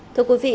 thưa quý vị